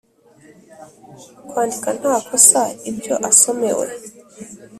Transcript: Kwandika nta kosa ibyo asomewe